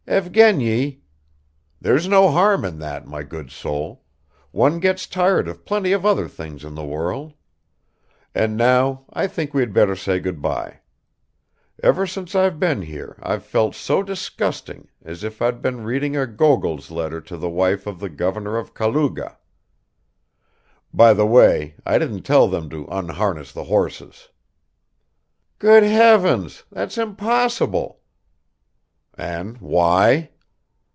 "Evgeny ..." "There's no harm in that, my good soul; one gets tired of plenty of other things in the world! And now I think we had better say good by. Ever since I've been here I've felt so disgusting, just as if I'd been reading Gogol's letters to the wife of the Governor of Kaluga. By the way, I didn't tell them to unharness the horses." "Good heavens, that's impossible!" "And why?"